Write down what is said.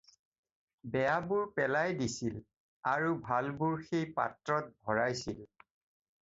বেয়াবোৰ পেলাই দিছিল আৰু ভালবোৰ সেই পাত্ৰত ভৰাইছিল।